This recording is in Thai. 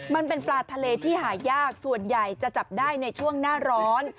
มันเป็นปลาทะเลที่หายากส่วนใหญ่จะจับได้ในช่วงหน้าร้อน